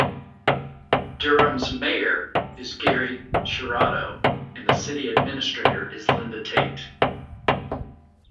Durham's mayor is Gery Schirado and the city administrator is Linda Tate.